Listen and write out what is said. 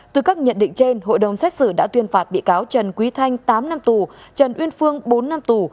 từ các nhận định trên hội đồng xét xử đã tuyên phạt bị cáo trần quý thanh tám năm tù trần uyên phương bốn năm tù